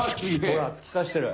ほらつき刺してる！